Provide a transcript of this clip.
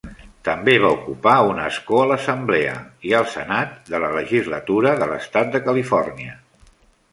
També va ocupar un escó a l'Assemblea i al Senat de la Legislatura de l'Estat de Califòrnia.